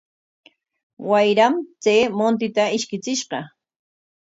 Wayram chay muntita ishkichishqa.